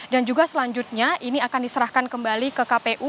dan juga selanjutnya ini akan diserahkan kembali ke kpu